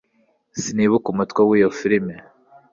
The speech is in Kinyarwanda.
sinibuka umutwe w'iyo firime